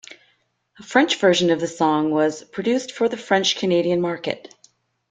A French version of the song was produced for the French Canadian market.